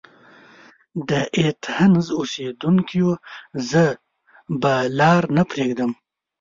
د ایتهنز اوسیدونکیو! زه به لار نه پريږدم.